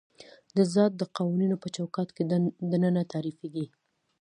د ذات د قوانینو په چوکاټ کې دننه تعریفېږي.